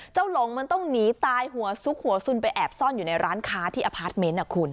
หลงมันต้องหนีตายหัวซุกหัวสุนไปแอบซ่อนอยู่ในร้านค้าที่อพาร์ทเมนต์